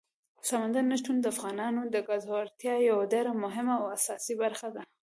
سمندر نه شتون د افغانانو د ګټورتیا یوه ډېره مهمه او اساسي برخه ده.